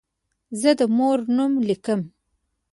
زه د مور نوم لیکم.